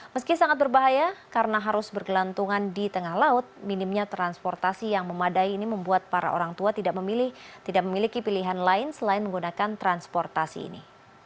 meski sangat berbahaya karena harus bergelantungan di tengah laut minimnya transportasi yang memadai ini membuat para orang tua tidak memiliki pilihan lain selain menggunakan transportasi ini